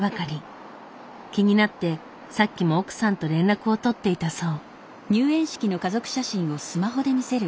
気になってさっきも奥さんと連絡を取っていたそう。